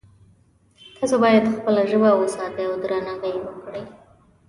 تاسو باید خپله ژبه وساتئ او درناوی یې وکړئ